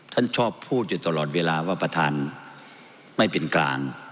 ท่านชอบพูดอยู่ตลอดเวลาว่าประธานไม่เป็นกลาง